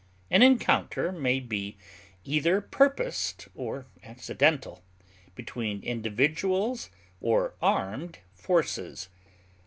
An encounter may be either purposed or accidental, between individuals or armed forces.